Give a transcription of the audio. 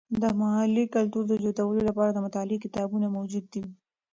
د محلي کلتور د جوتولو لپاره د مطالعې کتابونه موجود دي.